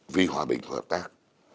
vì hòa bình hợp tác